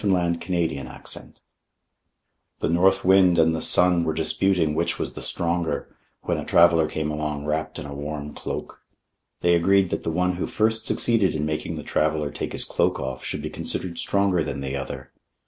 Orthographic version The North Wind and the Sun were disputing which was the stronger, when a traveler came along wrapped in a warm cloak. They agreed that the one who first succeeded in making the traveler take his cloak off should be considered stronger than the other.